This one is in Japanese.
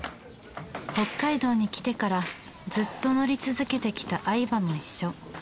北海道に来てからずっと乗り続けてきた愛馬も一緒。